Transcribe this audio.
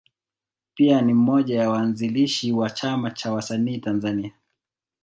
Pia ni mmoja ya waanzilishi wa Chama cha Wasanii Tanzania.